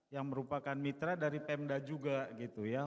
yang merupakan mitra dari pemda juga gitu ya